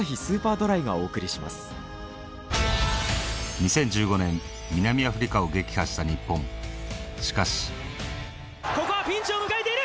２０１５年南アフリカを撃破した日本しかしここはピンチを迎えている！